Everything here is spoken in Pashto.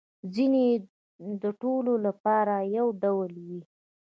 ځینې يې د ټولو لپاره یو ډول وي